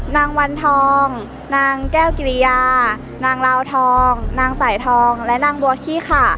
นางวันทองนางแก้วกิริยานางลาวทองนางสายทองและนางบัวขี้ค่ะ